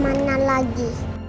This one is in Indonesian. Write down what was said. mau tinggalin aku lagi